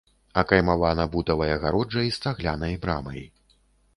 Акаймавана бутавай агароджай з цаглянай брамай.